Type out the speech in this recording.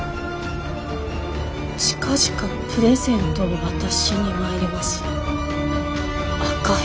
近々プレゼントを渡しに参ります赤蛇」。